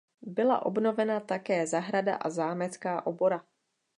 Byla obnovena také zahrada a zámecká obora.